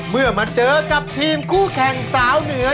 เมื่อมาเจอกับทีมคู่แข่งสาวเหนือ